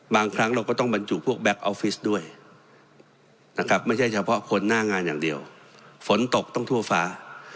บางครั้งเราก็ต้องบรรจุพวกแก๊คออฟฟิศด้วยนะครับไม่ใช่เฉพาะคนหน้างานอย่างเดียวฝนตกต้องทั่วฟ้า